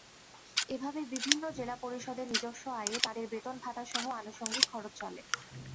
এভাবে বিভিন্ন জেলা পরিষদের নিজস্ব আয়ে তাঁদের বেতন-ভাতাসহ আনুষঙ্গিক খরচ চলে।